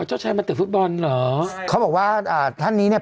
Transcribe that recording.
เจ้าชายมาเตะฟุตบอลเหรอเขาบอกว่าอ่าท่านนี้เนี่ย